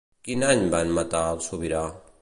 Quin any van matar el sobirà?